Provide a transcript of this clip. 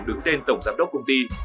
đứng tên tổng giám đốc công ty